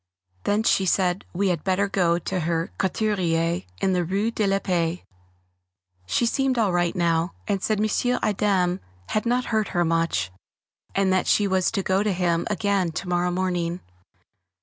Then she said we had better go to her couturier in the Rue de la Paix. She seemed all right now, and said M. Adam had not hurt her much, and that she was to go to him again to morrow morning.